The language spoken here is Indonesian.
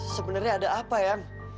sebenarnya ada apa yang